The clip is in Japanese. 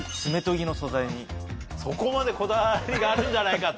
そこまでこだわりがあるんじゃないかと。